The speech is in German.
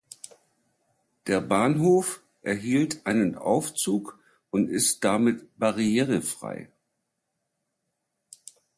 Der Bahnhof erhielt einen Aufzug und ist damit barrierefrei.